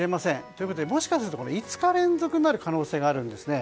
ということでもしかすると５日連続になる可能性があるんですね。